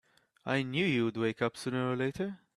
I knew you'd wake up sooner or later!